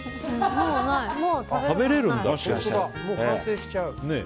もう完成しちゃう。